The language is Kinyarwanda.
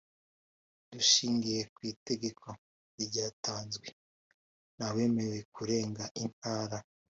Dushingiye ku Itegeko ryatanzwe ntawemerewe kurenga intara